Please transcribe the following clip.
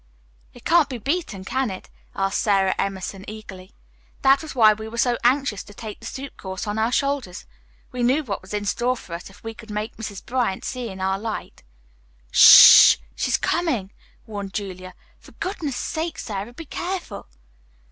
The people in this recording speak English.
"It can't be beaten, can it?" asked Sara Emerson eagerly. "That was why we were so anxious to take the soup course on our shoulders. We knew what was in store for us if we could make Mrs. Bryant see things in our light." "S h h, she's coming!" warned Julia. "For goodness' sake, Sara, be careful."